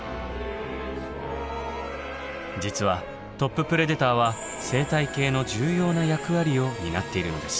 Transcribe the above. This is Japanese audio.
実はトッププレデターは生態系の重要な役割を担っているのです。